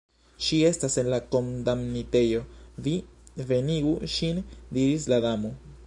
"Ŝi estas en la kondamnitejo, vi venigu ŝin," diris la Damo.